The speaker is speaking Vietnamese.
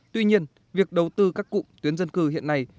tuy nhiên việc đầu tư các cụm tuyến dân cư hiện nay